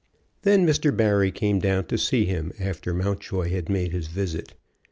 Then Mr. Barry came down to see him after Mountjoy had made his visit.